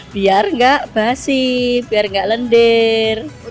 biar tidak basi biar tidak lendir